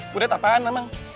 kudet apaan emang